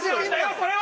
それは！